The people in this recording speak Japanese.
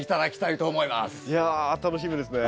いや楽しみですね。